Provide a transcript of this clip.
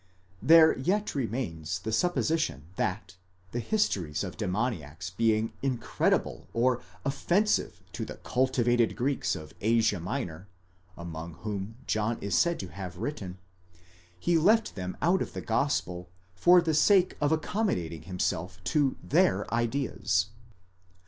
There yet remains the supposition that, the histories of demoniacs being incredible or offensive to the cultivated Greeks of Asia Minor, among whom John is said to have written, he left them out of his gospel for the sake of accommodating himself to their ideas.